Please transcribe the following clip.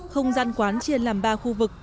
không gian quán chiên làm ba khu vực